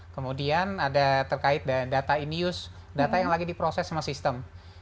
kemudian ada terkait data in use data yang lagi diproses sama sistem